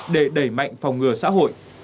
để đẩy mạnh phòng ngừa xã hội